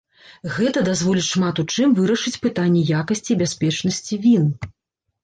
Гэта дазволіць шмат у чым вырашыць пытанні якасці і бяспечнасці він.